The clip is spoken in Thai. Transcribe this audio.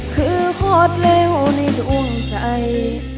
คือพอดเร่วในทุ่งใจ